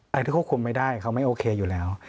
ที่ควบคุมไม่ได้เขาไม่โอเคอยู่แล้ว